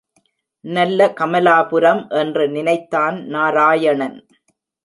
நல்ல கமலாபுரம் என்று நினைத்தான் நாராயணன்.